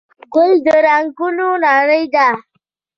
ګل د رنګونو نړۍ ده.